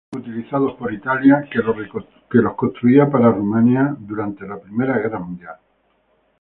Fueron utilizados por Italia, que los construía para Rumanía durante la Primera Guerra Mundial.